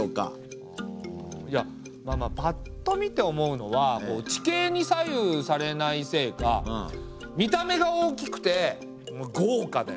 いやまあまあパッと見て思うのは地形に左右されないせいか見た目が大きくてごうかだよね。